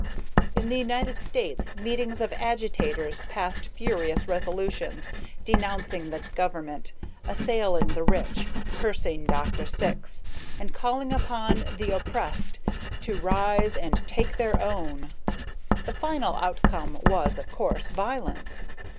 In the United States meetings of agitators passed furious resolutions, denouncing the government, assailing the rich, cursing Dr. Syx, and calling upon "the oppressed" to rise and "take their own." The final outcome was, of course, violence.